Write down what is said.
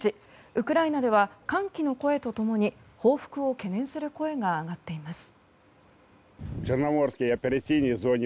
ウクライナでは、歓喜の声と共に報復を懸念する声が上がっています。